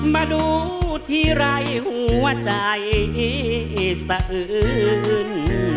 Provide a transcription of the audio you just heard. มาดูทีไรหัวใจสะอื้น